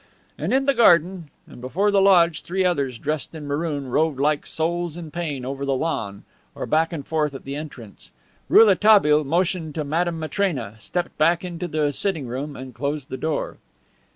And in the garden and before the lodge three others dressed in maroon roved like souls in pain over the lawn or back and forth at the entrance. Rouletabille motioned to Madame Matrena, stepped back into the sitting room and closed the door.